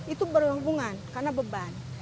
itu berhubungan karena beban